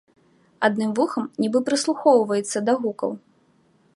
Адным вухам нібы прыслухоўваецца да гукаў.